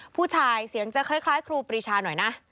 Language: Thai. ผู้ชายเสียงจะคล้ายครูปรีชาหน่อยนะ